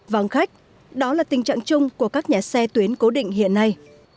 vắng khách đó là tình trạng chung của các nhà xe tuyến cố định hiện nay